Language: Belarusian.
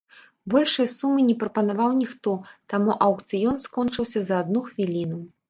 Большай сумы не прапанаваў ніхто, таму аўкцыён скончыўся за адну хвіліну.